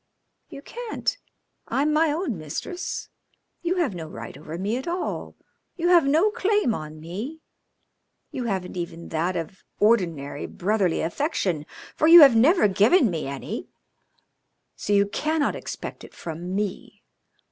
"You can't. I'm my own mistress. You have no right over me at all. You have no claim on me. You haven't even that of ordinary brotherly affection, for you have never given me any, so you cannot expect it from me.